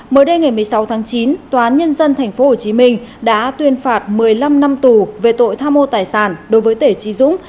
mới đây ngày một mươi sáu tháng chín tòa án nhân dân tp hcm đã tuyên phạt một mươi năm năm tù về tội tham mô tài sản đối với tể trí dũng